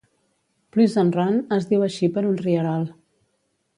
Pleasant Run es diu així per un rierol.